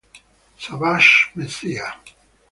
Savage Messiah